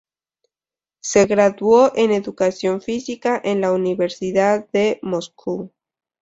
Se graduó en educación física en la Universidad de Moscú.